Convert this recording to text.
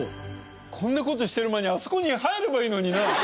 こんな事してる間にあそこに入ればいいのにな！